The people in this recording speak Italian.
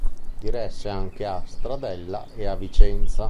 Diresse anche a Stradella e a Vicenza.